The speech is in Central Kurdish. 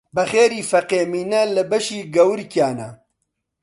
بە خێرێ فەقێ مینە لە بەشی گەورکیانە